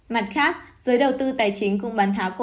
mặt khác giới đầu tư tài chính cũng bán tháo cổ